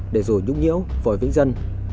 để rồi nhúc nhiễu vòi vĩ đại